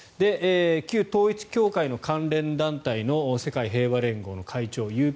旧統一教会の関連団体の世界平和連合の会長